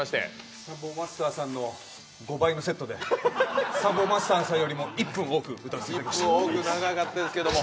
サンボマスターさんの５倍のセットでサンボマスターさんよりも１分多く歌わせていただきました。